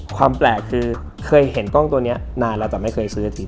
ความแปลกคือเคยเห็นกล้องตัวนี้นานแล้วแต่ไม่เคยซื้อจริง